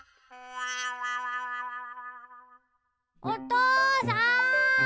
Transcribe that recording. おとうさん！